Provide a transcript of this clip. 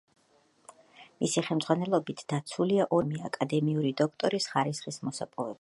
მისი ხელმძღვანელობით დაცულია ორი სადისერტაციო ნაშრომი აკადემიური დოქტორის ხარისხის მოსაპოვებლად.